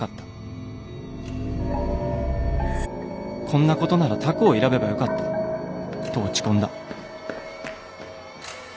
こんなことなら他校を選べばよかったと落ち込んだ」。